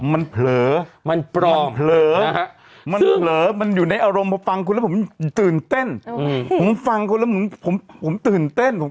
มันเผลอมันตื่นเต้น